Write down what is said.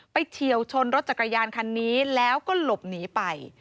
เฉียวชนรถจักรยานคันนี้แล้วก็หลบหนีไป